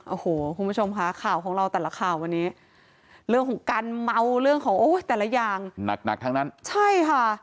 โอะห์คุณผู้ชมค่ะข่าวของเราทางแต่ละข่าววันนี้